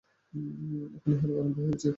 এখন ইহার আরম্ভ হইয়াছে মাত্র।